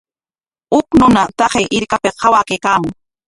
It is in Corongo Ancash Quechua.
Huk runa taqay hirkapik qayakaykaamun.